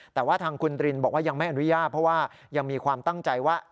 แต่ว่าทางคุณรินบอกว่ายังไม่อนุญาตเพราะว่ายังมีความตั้งใจว่า